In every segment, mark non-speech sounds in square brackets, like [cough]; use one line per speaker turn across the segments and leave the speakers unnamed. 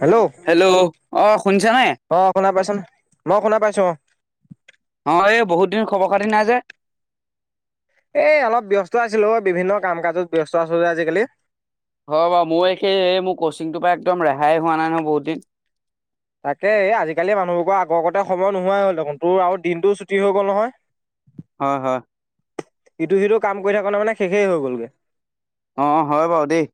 Hello
hello, অ শুনিছা নে?
অ শুনা পাইছন, মই শুনা পাইছো অঁ।
অঁ এই বহুত দিন খবৰ খাতি নাই যে?
এ অলপ ব্যস্ত আছিল অ, বিভিন্ন কাম কাজত ব্যস্ত আছোঁ যে আজিকালি।
হয় বাৰু মই এই সেই এই মোৰ কচিংটোৰ পৰা একদম ৰেহাই হোৱা নাই নহয় বহুত দিন।
তাকে এই আজিকালি মানুহবোৰৰ আগৰ [unintelligible] সময় নোহোৱাই হ'ল দেখোন তোৰ আৰু দিনটোও ছুটি হৈ গ'ল নহয়!
হয়, হয়।
ইটো-সিটো কাম কৰি থাকোতে মানে শেষেই হৈ গ'লগে।
অ', অ', হয়, বাৰু দেই।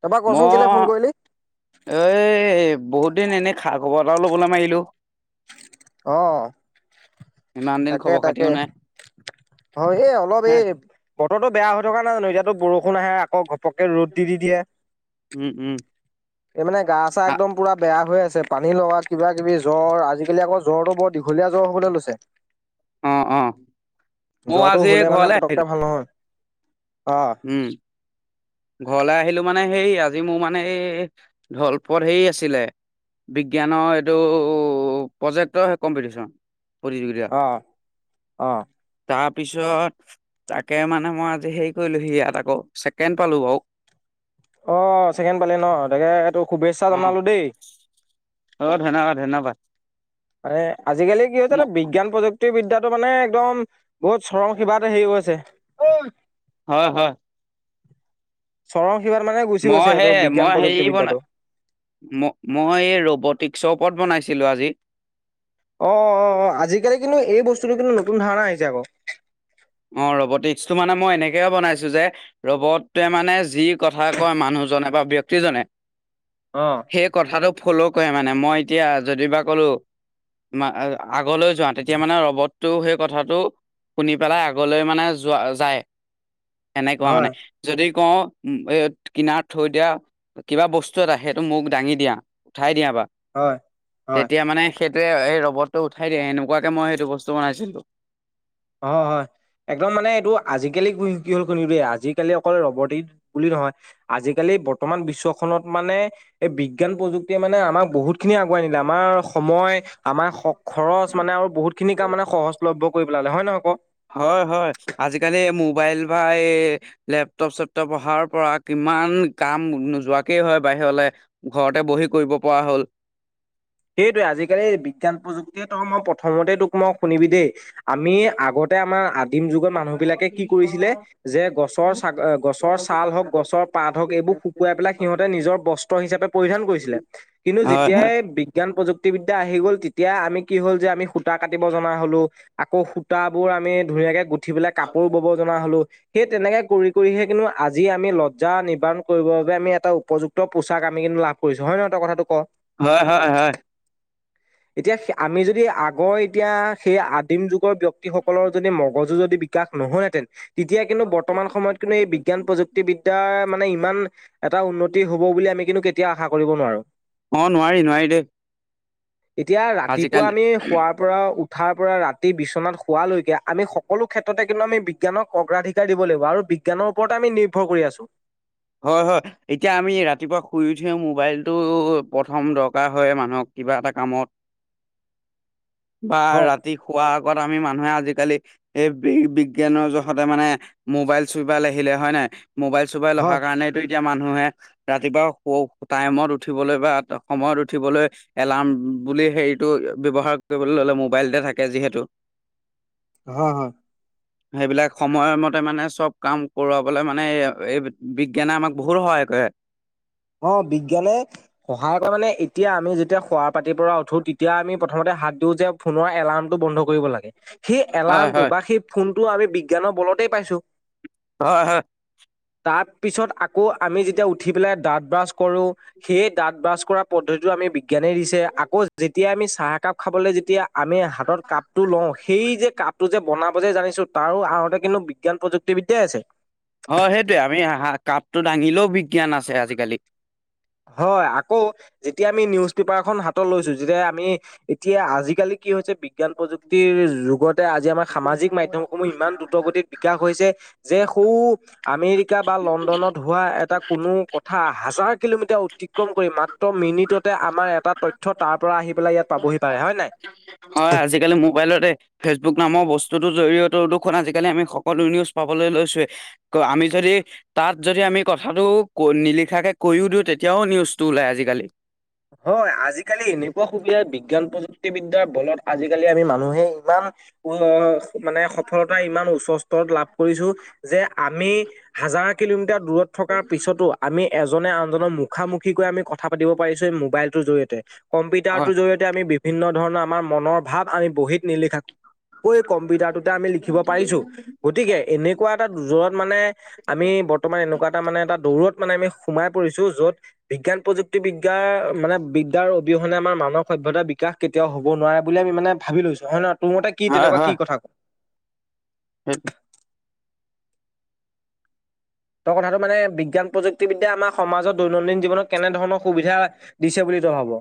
তাৰপৰা কচোন কেলে
মই,
ফোন কৰিলি?
এই বহুত দিন এনেই খা-খবৰ এটাও ল'বলৈ মাৰিলোঁ।
অ'।
ইমান দিন
তাকে
খবৰ খাতিও
তাকে
নাই
অ', এই অলপ
হে
এই বতৰটো বেয়া হৈ থকা নাই জানো এতিয়াতো বৰষুণ আহে আকৌ ঘপকৈ ৰ'দ দি দি দিয়ে।
উম, উম।
এই মানে গা-চা একদম পুৰা বেয়া হৈ আছে, পানী লগা কিবা কিবি জ্বৰ আজিকালি আকৌ জ্বৰটো বৰ দীঘলীয়া জ্বৰ হ'বলৈ লৈছে।
অ', অ', মইও
জ্বৰটো
আজি এই
হলে মানে
ঘৰলে
পতককে
আহিলোঁ।
ভাল নহয়। অ'।
উম। ঘৰলৈ আহিলোঁ মানে হেৰি আজি মোৰ মানে এই ঢলপুৰত হেৰি আছিলে। বিজ্ঞানৰ এইটো প্ৰজেক্টৰ হেই কম্পিটিশ্যন। প্ৰতিযোগিতা।
অ অ',
তাৰপিছত তাকে মানে মই আজি হেই কৰিলো হি ইয়াত আকৌ ছেকেণ্ড পালোঁ বাৰু।
অ', চেকেণ্ড পালি ন', তাকে এই টো শুভেচ্ছা জনালো দেই।
অ', ধন্যবাদ ধন্যবাদ।
মানে আজিকালি কি হৈছে তোৰ
ম-
বিজ্ঞান প্ৰযুক্তি ক্তি বিদ্যাটো মানে একদম বহুত চৰম সীবাতে হেৰি [unintelligible]
হয়, হয়।
চৰম সিবাত মানে গুচি গৈছে
মই
এইটো
হেই
বিজ্ঞান
মই হেৰি
প্ৰযুক্তিবিদ্যাটো
বনাই ম-মই এই ৰবটিক্সৰ ওপৰত বনাইছিলো আজি।
অ', অ', অ', আজিকালি কিন্তু এই বস্তুটো কিন্তু নতুন ধাৰণা আহিছে আকৌ।
অ', ৰবটিক্স টো মানে মই এনেকে বনাইছোঁ যে ৰবটতোয়ে মানে যি কথা কয় মানুহজনে বা ব্যক্তিজনে।
অ'।
সেই কথাটো ফ'ল' কৰে মানে মই এতিয়া যদিবা ক'লোঁ [unintelligible] আগলৈ যোৱা, তেতিয়া মানে ৰ'বটটো সেই কথাটো শুনি পেলাই আগলৈ মানে যোৱা যায়, এনেকুৱা মানে।
হয়,
যদি কওঁ এ কিনাৰত থৈ দিয়া। কিবা বস্তু এটা সেইটো মোক দাঙি দিয়া, উঠাই দিয়া বা
হয়, হয়।
তেতিয়া মানে সেইটোৱে এই ৰবৰটো উঠাই দিয়ে এনেকুৱাকে মই সেইটো বস্তু বনাইছিলোঁ।
অ', হয়। একদম মানে এইটো আজিকালি কি হ'ল শুনিবি [unintelligible] আজিকালি অকল ৰবটিক বুলি নহয়। আজিকালি বৰ্তমান বিশ্বখনত মানে এই বিজ্ঞান প্ৰযুক্তিয়ে মানে আমাক বহুত খিনি আগুৱাই নিলে আমাৰ সময় আমাৰ খৰচ মানে আৰু বহুত খিনি কাম মানে সহজলভ্য কৰি পেলালে, হয় নে নহয় ক'?
হয়, হয়, আজিকালি মোবাইল বা এই লেপটপ-চেপটপ অহাৰ পৰা কিমান কাম নোযোৱাকেই হয় বাহিৰলৈ। ঘৰতে বহি কৰিব পৰা হ'ল।
সেইটোৱে আজিকালি বিজ্ঞান প্ৰযুক্তিয়ে তই মই প্ৰথমতে তোক মই শুনিবি দেই আমি আগতে আমাৰ আদিম যুগত মানুহ বিলাকে কি কৰিছিলে যে গছৰ ছা গছৰ ছাল হওঁক গছৰ পাত হওক এইবোৰ শুকুৱাই পেলাই সিহঁতে নিজৰ বস্ত্ৰ হিচাপে পৰিধান কৰিছিলে কিন্তু
হয়
যেতিয়াই বিজ্ঞান প্ৰযুক্তিবিদ্যা আহি গ'ল তেতিয়া আমি কি হ'ল যে আমি সূতা কাটিব জনা হ'লো। আকৌ সূতাবোৰ আমি ধুনীয়াকে গুঠি পেলাই কাপোৰো বব জনা হলো। সেই তেনেকে কৰি কৰিহে কিন্তু আজি আমি লজ্জা নিবাৰণ কৰিবৰ বাবে আমি এটা উপযু ক্ত পোচাক আমি কিন্তু লাভ কৰিছো, হয় নহয় তই কথাটো ক?
হয় হয় হয়।
এতিয়া আমি যদি আগৰ এতিয়া সেই আদিম যুগৰ ব্যক্তিসকলৰ যদি মগজু যদি বিকাশ নহলহেঁতেন তেতিয়া কিন্তু বৰ্তমান সময়ত কিন্তু এই বিজ্ঞান প্ৰযুক্তিবিদ্যাৰ মানে ইমান এটা উন্নতি হব বুলি আমি কিন্তু কেতিয়াও আশা কৰিব নোৱাৰো।
অ নোৱাৰি নোৱাৰি দেই।
এতিয়া ৰাতিপুৱা
আজিকালি
আমি শুৱাৰ পৰা উঠাৰ পৰা ৰাতি বিচনাত শুৱালৈকে আমি সকলো ক্ষেত্ৰতে কিন্তু আমি বিজ্ঞানক অগ্ৰাধিক দিব‌ লাগিব আৰু বিজ্ঞানৰ ওপৰতে আমি নিৰ্ভৰ কৰি আছো।
হয় হয়। এতিয়া আমি ৰাতিপুৱা শুই উঠিয়ে মোবাইলটো প্ৰথম দৰকাৰ হয় মানুহক কিবা এটা কামত। বা
হয়
ৰাতি শুৱাৰ আগত মানুহে আজিকালি এই বি বিজ্ঞানৰ জহতে মানে মোবাইল চোবাইল আহিলে হয় নাই মোবাইল চোবাইল
হয়
অহাৰ কাৰণেটো এতিয়া মানুহে ৰাতিপুৱা টাইমত উঠিবলৈ বা সময়ত উঠিবলৈ এলাৰ্ম বুলি হেৰিটো ব্যৱহাৰ কৰিবলৈ ললে মোবাইলতে থাকে যিহেতু।
অহ অহ।
সেইবিলাক সময়মতে মানে চব কাম কৰোৱাবলে মানে এই বিজ্ঞানে আমাক বহুত সহায় কৰে।
অ বিজ্ঞানে, সহায় কৰে মানে এতিয়া আমি যেতিয়া শুৱাৰ পাতিৰ পৰা উঠোঁ তেতিয়া আমি প্ৰথমতে হাত দিওঁ যে ফোনৰ এলাৰ্মটো বন্ধ কৰিব লাগে। সেই
হয় হয়
এলাৰ্মটো বা সেই ফোনটো আমি বিজ্ঞানৰ বলতেই পাইছো।
হয় হয়।
তাৰপিছত আকৌ আমি যেতিয়া উঠি পেলাই দাঁত ব্ৰাছ কৰো। সেই দাঁত ব্ৰাছ কৰা পদ্ধতিটো আমি বিজ্ঞানে দিছে আকৌ যেতিয়া আমি চাহ একাপ খাবলৈ যেতিয়া আমি হাতত কাপ টো লওঁ, সেই যে কাপটো যে বনাব যে জানিছো তাৰো আৰতে কিন্তু বিজ্ঞান প্ৰযুক্তিবিদ্যাই আছে।
হয় সেইটোৱে আমি হা কাপটো দাঙিলেও বিজ্ঞান আছে আজিকালি।
হয় আকৌ, যেতিয়া আমি নিউজ পেপাৰ এখন হাতত লৈছো যেতিয়া আমি এতিয়া আজিকালি কি হৈছে বিজ্ঞান প্ৰযুক্তিৰ যুগ তে আজি আমাৰ সামাজিক মাধ্যমসমূহ ইমান দ্ৰুতগতিত বিকাশ হৈছে। যে সৌ আমেৰিকা বা লণ্ডনত হোৱা এটা কোনো কথা হাজাৰ কিলোমিটাৰ অতিক্ৰম কৰি মাত্ৰ মিনিটতে আমাৰ এটা তথ্য তাৰ পৰা আহি পেলাই ইয়াত পাবহি পাৰে হয় নাই?
হয় আজিকালি মোবাইলতে ফেচবুক নামৰ বস্তুটোৰ জৰিয়তে দুখোন আজিকালি আমি সকলো নিউজ পাবলৈ লৈছোৱে। আকৌ আমি যদি তাত যদি আমি কথাটো ক নিলিখাকে কৈও দিওঁ তেতিয়াও নিউজটো ওলাই আজিকালি।
হয় আজিকালি এনেকুৱা সুবিধা বিজ্ঞান প্ৰযুক্তিবিদ্যাৰ বলত আজিকালি আমি মানুহে ইমান অ অ। মানে সফলতা ইমান উচ্চ স্তৰত লাভ কৰিছো যে আমি হাজাৰ কিলোমিটাৰ দূৰত, থকাৰ পিছতো আমি এজনে আনজনৰ মুখামুখিকৈ আমি কথা পাতিব পাৰিছো এই মোবাইলটোৰ জৰিয়তে।
হয়
কম্পিউটাৰটোৰ জৰিয়তে আমি বিভিন্ন ধৰণৰ আমাৰ মনৰ ভাৱ আমি বহীত নিলিখা, কৈ কম্পিউটাৰটোতে আমি লিখিব পাৰিছো। গতিকে এনেকুৱা এটা যত মানে আমি ব, বৰ্তমান এনেকুৱা এটা মানে এটা দৌৰত মানে আমি সোমাই পৰিছো যত বিজ্ঞান প্ৰযুক্তিবিদ, বিদ্যাৰ মানে বিদ্যাৰ অবিহনে আমাৰ মানৱ সভ্যতাৰ বিকাশ কেতিয়াও হ'ব নোৱাৰে বুলি আমি মানে, ভাবি লৈছো হয় নয় তোৰ মতে কি
হয়
তেনেকুৱা
হয়
কি কথা কয়?
[inaudible]
ত কথাটো মানে বিজ্ঞান প্ৰযুক্তিবিদ্যা আমাৰ সমাজত দৈনন্দিন জীৱনত কেনেধৰণৰ সুবিধা। দিছে বুলি তই ভাব?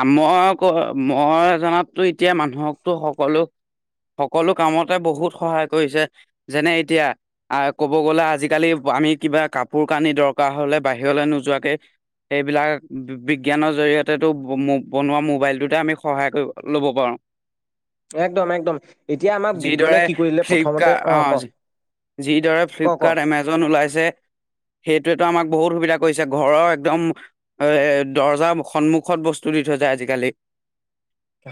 আ মই ক মই জনাততো এতিয়া মানুহকতো সকলো। সকলো কামতে বহুত সহায় কৰিছে, যেনে এতিয়া, আহ কব গ'লে আজিকালি আমি কিবা কাপোৰ কানি দৰকাৰ হলে বাহিৰলৈ নোযোৱাকে। সেইবিলাক বিজ্ঞানৰ জৰিয়তে তো, ম বনোৱা মোবাইলটোতে আমি সহায় কৰি ল'ব পাৰো।
একদম একদম, এতিয়া আমাক বিজ্ঞনে
যিদৰে
কি প্ৰথমতে
ফ্লিপকাৰ্ট
অ ক।
যিদৰে
ক ক
ফ্লিপকাৰ্ট এমেজন ওলাইছে। সেইটোৱেতো আমাক বহুত সুবিধা কৰিছে ঘৰৰ একদম এ দৰ্জাৰ সন্মুখত বস্তু, তু দি থৈ যায় আজিকালি।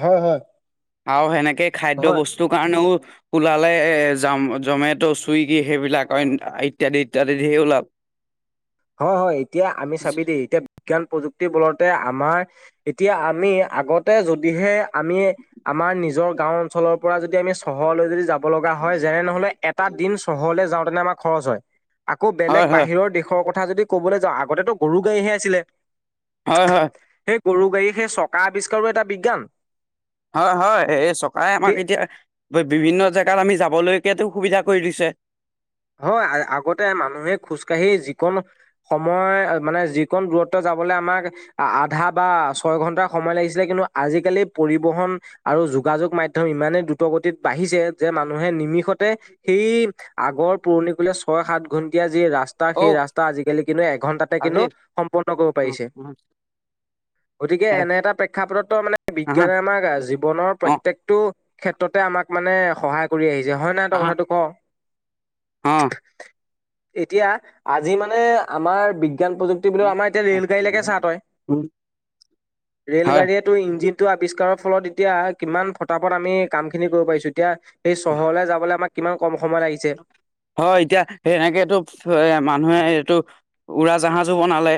হয় হয়।
আৰু সেনেকে খাদ্য
হয়
বস্তুৰ কাৰণেও, ওলালে এ জাম জমেটু', চুইগি সেইবিলাক অইন ইত্যাদি ইত্যাদি ধেৰ ওলাল।
হয় হয় এতিয়া আমি চাবি দেই এতিয়া, বিজ্ঞান প্ৰযুক্তি বলতে আমাৰ এতিয়া আমি আগতে যদিহে, আমি, আমাৰ নিজৰ গাঁও অঞ্চলৰ পৰা যদি আমি চহৰলৈ যদি যাব লগা হয় যেনে নহ'লে এ, এটা দিন চহৰলৈ যাওঁতেনে আমাৰ খৰচ হয়, আকৌ বেলেগ
হয় হয়
বাহিৰৰ দেশৰ ক, কথা যদি ক'বলৈ যাওঁ আগতেটো গৰু গাড়ী হে আছিলে।
হয়', হয়।
সেই গৰু গাড়ী সেই চকা আৱিষ্কাৰো এটা বিজ্ঞান।
হয়', হয়। এই চকে আমাক
সেই
এতিয়া বিভিন্ন জেগাত আমি যাবলৈকাটো সুবিধা কৰি দিছে।
হয়। আ আগতে মানুহে খোজ কাঢ়ি যি কণ, সময় আৰু মানে যি কণ দূৰত্ব যাবলৈ আমাক, আ আধা বা ছয় ঘন্টা সময় লাগিছিলে, কিন্তু আজিকালি পৰিবহন, আৰু যোগাযোগ মাধ্যম ইমানেই দ্ৰুত গতিত বাঢ়িছে যে মানুহে নিমিষতে সেই, আগৰ পুৰণিকলীয়া ছয় সাত ঘণ্টিয়া যি ৰাস্তা
ঔ
সেই ৰাস্তা আজিকালি কিন্তু এঘণ্টাতে কিন্তু,
আজি
সম্পূৰ্ণ কৰিব
উম,
পাৰিছে।
উম,
গতিকে
এ
এনে এটা প্ৰেক্ষাপটত ত মানে
আহা
বিজ্ঞানে আমাৰ ৰা জীৱ জীবনৰ
অ
প্ৰত্যেকটো, ক্ষেত্ৰতে আমাক মানে সহায় কৰি আহিছে হয় নহয় তই
আহা
কথাটো ক?
অ'
এতিয়া, আজি মানে আমাৰ বিজ্ঞান প্ৰযুক্তি, টি আমাৰ এতিয়া ৰেল গাড়ীলৈকে চাহ তই।
উম,
ৰেল
হয়
গাড়ীয়ে, টো ইঞ্জিন টো আৱিস্কাৰৰ ফলত এতিয়া কিমান ফটাফট আমি, কাম খিনি কৰিব পাৰিছোঁ এতিয়া, সেই চহৰলৈ যাবলৈ আমাক কিমান কম সময় লাগিছে।
হয়', এতিয়া সেনেকেটো এ মানুহে এইটো উৰা জাহাজো বনালে।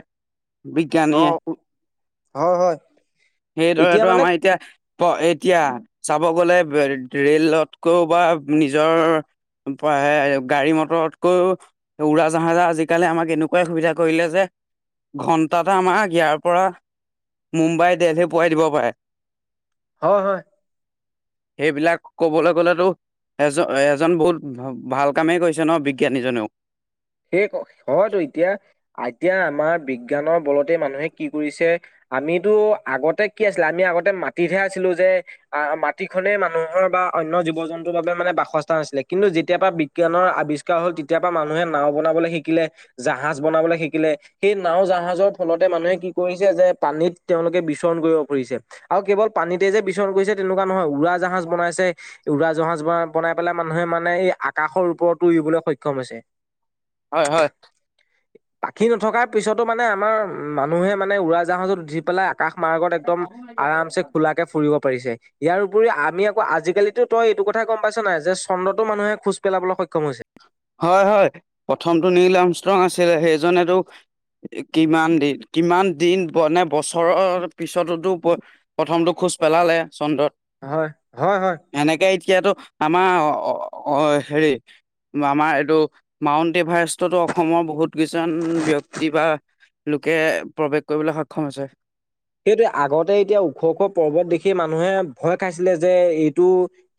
অ
বিজ্ঞানীয়ে।
হয়', হয়।
সেই
এতিয়া
ল'ৰাটো
মানে
আমাৰ এতিয়া এতিয়া চাব গলে ৰে ৰেলতকৈও বা নিজৰ বা গাড়ী মটৰতকৈও উৰাজাহাজত আজিকালি আমাক এনেকুৱাই সুবিধা কৰিলে যে ঘন্টাতে আমাক ইয়াৰ পৰা মোম্বাইত তে পোৱাই দিব পাৰে।
হয়, হয়।
সেইবিলাক কবলৈ গ'লেটো এজন এজন বহুত ভাল কামেই কৰিছে ন বিজ্ঞানীজনেও?
কি ক হয়তো এতিয়া এতিয়া আমাৰ বিজ্ঞানৰ বলতে মানুহে কি কৰিছে আমিটো আগতে কি আছিলে আমি আগতে মাটিতহে আছিলো যে আহ, মাটিখনে মানুহৰ বা অন্য জীৱ -জন্তুৰ বাবে মানে বাসস্থান আছিলে, কিন্তু যেতিয়াৰ পৰা বিজ্ঞানৰ আৱিষ্কাৰ হ'ল তেতিয়া পৰা মানুহে নাওঁ বনাবলৈ শিকিলে, জাহাজ বনাবলৈ শিকিলে সেই নাওঁ, জাহাজৰ ফলতে মানুহে কি কৰিছে যে পানীত, তেওঁলোকে বিচৰণ কৰিব খুজিছে। আৰু কেৱল পানীতে যে বিচৰণ কৰিছে তেনেকুৱা নহয়। উৰা জাহাজ বনাইছে উৰা জাহাজ বনাই বনাই পেলাই মানুহে মানে এই আকাশৰ ওপৰতো উৰিবলৈ সক্ষম হৈছে।
হয়', হয়।
পাখি নথকাৰ পিছতো মানে আমাৰ মানুহে মানে উৰা জাহাজত উঠি পেলাই আকাশ মাৰ্গত একদম, আৰামছে খোলাকে ফুৰিব পাৰিছে। ইয়াৰ উপৰি আমি আকৌ আজিকালিটো তই এইটো কথাই গম পাইছ নাই। যে চন্দ্ৰতো মানুহে খোজ পেলাবলৈ সক্ষম হৈছে।
হয়', হয়। প্ৰথমটো নীল আমষ্ট্ৰং আছিলে সেইজনেটো এ কিমান দিন কিমান দিন মানে বছৰৰ পিছতটো প্ৰথমটো খোজ পেলালে চন্দ্ৰত
হয়', হয়', হয়।
এনেকে এতিয়াটো আমাৰ অ' অ' হেৰিত আমাৰ এইটো, মাউণ্ট এভাৰেষ্টতো অসমৰ বহুত কেইজন ব্যক্তি বা লোকে প্ৰৱেশ কৰিবলৈ সক্ষম হৈছে।
সেইটোৱে আগতে এতিয়া ওখ ওখ পৰ্বত দেখি মানুহে ভয় খাইছিলে যে এইটো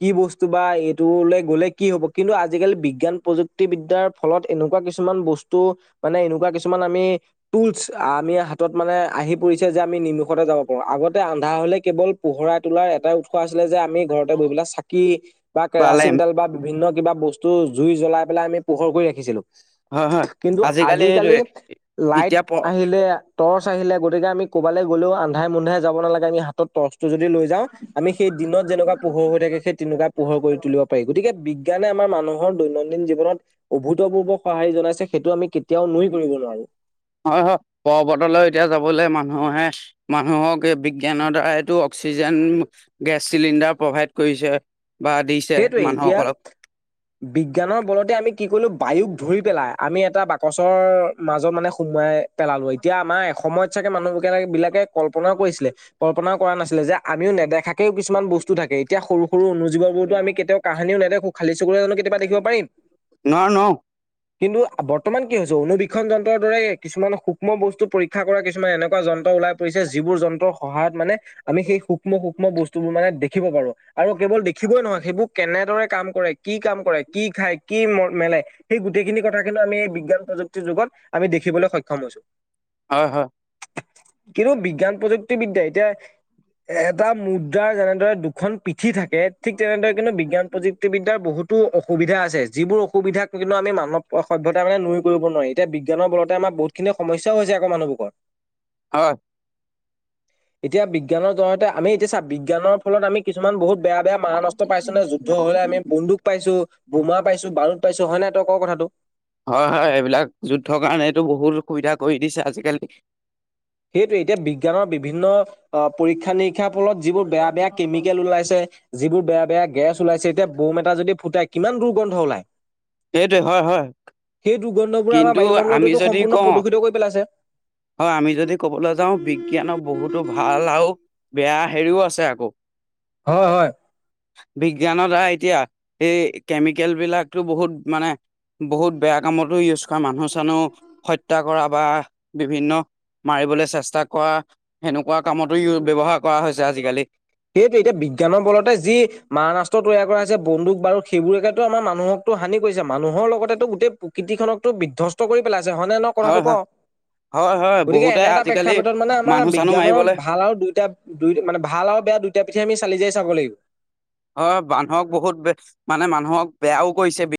কি বস্তু বা এইটোলৈ গ'লে কি হ'ব কিন্তু আজিকালি বিজ্ঞান প্ৰযুক্তিবদ্যাৰ ফলত এনেকুৱা কিছুমান বস্তু মানে এনেকুৱা কিছুমান আমি টুলচ আমি হাতত মানে আহি পৰিছে যে আমি নিমিষতে যাব প পাৰো। আগতে আন্ধাৰ হ'লে কেৱল পোহৰাই তোলাৰ এটাই উৎস আছিলে যে আমি ঘৰতে বহি পেলাই চাকি বা কেৰাচিন তেল বা বিভিন্ন কিবা বস্তু জুই জ্বলাই পেলাই আমি পোহৰ কৰি ৰাখিছিলোঁ।
হয় হয়
কিন্তু আজিকালি
সেইটোৱে
লাইট
এতিয়া প
আহিলে টৰ্চ আহিলে গতিকে আমি কবালে গলেও আন্ধাৰে মুন্ধাৰে যাব নালাগে আমি হাতত টৰ্চ টো যদি লৈ যাওঁ আমি সেই দিনত যেনেকুৱা পোহৰ হৈ থাকে সেই তেনেকুৱা পোহৰ কৰি তুলিব পাৰি গতিকে বিজ্ঞানে আমাৰ মানুহৰ দৈনন্দিন জীৱনত অভূতপূৰ্ব সঁহাৰি জনাইছে সেইটো আমি কেতিয়াও নুই কৰিব নোৱাৰো।
হয় হয় পৰ্বতলৈ এতিয়া যাবলৈ মানুহে মানুহক এই বিজ্ঞানৰ দ্বাৰাইটো অক্সিজেন গেছ চিলিণ্ডাৰ প্ৰভাইড কৰিছে। বা দিছে
সেইটোৱেই এতিয়া
মানুহসকলক
বিজ্ঞানৰ বলতে আমি কি কৰিলো বায়ুক ধৰি পেলাই আমি এটা বাকচৰ মাজত মানে সোমোৱাই পেলালো, এতিয়া আমাৰ এসময়ত চাগে মানুহ বিলাকে কল্পনাও
নোৱাৰো
কৰিছিলে। কল্পনাও কৰা নাছিলো যে আমিও নেদেখাকেও কিছুমান বস্তু থাকে, এতিয়া সৰু সৰু অনুজীৱবোৰ আমি কেতিয়াও কাহানিও নেদেখো, খালী চুকুৰে জানো কেতিয়াবা দেখিব পাৰিম?
নোৱাৰো
কিন্তু বৰ্তমান কি হৈছে, অনবীক্ষণ যন্ত্ৰৰ দৰে কিছুমান সূক্ষ্ম বস্তু পৰীক্ষা কৰা কিছুমান এনেকুৱা যন্ত্ৰ ওলাই পৰিছে, যিবোৰ যন্ত্ৰৰ সহায়ত মানে আমি সেই সূক্ষ্ম সূক্ষ্ম বস্তুবোৰ মানে দেখিব পাৰো। আৰু কেৱল দেখিবই নহয়, সেইবোৰ কেনেদৰে কাম কৰে কি কাম কৰে, কি খাই, কি মেলে সেই গোটেইখিনি কথা কিন্তু আমি এই বিজ্ঞান প্ৰযু তি যুগত আমি দেখিবলৈ সক্ষম হৈছো।
হয়, হয়।
কিন্তু বিজ্ঞান প্ৰযুক্তিবিদ্যা এতিয়া এটা মুদ্ৰাৰ যেনেদৰে দুখন পিঠি থাকে ঠিক তেনেদৰে কিন্তু বিজ্ঞান প্ৰযুক্তিবিদ্যাৰ বহুতো অসুবিধা আছে, এতি যিবোৰ অসুবিধাক কিন্তু আমি মানৱ সভ্যতা মানে নই কৰিব নোৱাৰি, এতিয়া বিজ্ঞানৰ বলতে আমাৰ বহুত খিনি সমস্যাও হৈছে আকৌ মানুহবোৰৰ।
হয়।
এতিয়া বিজ্ঞানৰ জৰয়তে আমি এতিয়া চা বিজ্ঞানৰ ফলত আমি কিছুমান বহুত বেয়া বেয়া মাৰানস্ত্ৰ পাইছো নহয়, যুদ্ধ হলে আমি বন্দুক পাইছো, বোমা পাইছো, বাৰুদ পাইছো, হয় নাই তই কথাটো।
হয়, হয়, এইবিলাক যুদ্ধৰ কাৰণেটো বহুত সুবিধা কৰি দিছে আজিকালি।
সেইটোৱে, এতিয়া বিজ্ঞানৰ বিভিন্ন অ' পৰীক্ষা নিৰিক ক্ষাৰ ফলত যিবোৰ বেয়া বেয়া কেমিকেল ওলাইছে, যিবোৰ বেয়া বেয়া গেছ ওলাইছে এতিয়া বোম এটা যদি ফুট কিমান দুৰ্গন্ধ ওলায়।
সেইটোৱে হয় হয়
সেই দুৰ্গন্ধ বোৰে আমাৰ
কিন্তু আমি
বায়ুমণ্ডলটোতো
যদি
সম্পূৰ্ণ
কওঁ
প্ৰদূষিত কৰি পেলাইছে।
হয়, আমি যদি ক'বলৈ যাওঁ বিজ্ঞানৰ বহুতো ভাল আৰু বেয়া হেৰিও আছে আকৌ।
হয়, হয়।
বিজ্ঞানৰ দ্বাৰা এতিয়া এই কেমিকেল বিলাকতো বহুত মানে বহুত বেয়া কামতো ইউজ কৰে মানুহ-চানুহ হত্যা কৰা বা বিভিন্ন মাৰিবলৈ চেষ্টা কৰা সেনেকুৱা কামতো [unintelligible] ব্যৱহাৰ কৰা হৈছে আজিকালি।
সেইটোৱে এতিয়া বিজ্ঞানৰ বলতে যি মাৰানাস্ত্ৰ তৈয়াৰ কৰা হৈছে বন্দুক, বাৰুদ সেইবোৰতো আমাৰ মানুহ হানি কৰিছে, মানুহৰ লগতেতো গোটেই প্ৰকৃতিখনকতো বিধ্বস্থ কৰি পেলাইছে হয়নে ন
হয়
কথাটো ক'
হয় হয় হয়
গতিকে
বহুতে
এনে এটা
আজিকালি
প্ৰেক্ষাপটত মানে আমাৰ
মানুহ চানুহ
বিজ্ঞানৰ
মাৰিবলৈ
ভাল আৰু দুটা দুই মানে ভাল আৰু বেয়া দুইটা পিঠি আমি চালি-জাৰি চাব লাগিব
হয়, মানুহক বহুত মানে মানুহক বেয়াও কৰিছে [unintelligible]